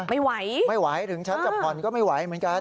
ไม่ไหวไม่ไหวถึงฉันจะผ่อนก็ไม่ไหวเหมือนกัน